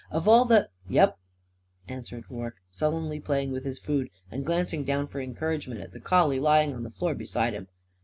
Of all the " "Yep," answered Rorke, sullenly playing with his food and glancing down for encouragement at the collie lying on the floor beside him.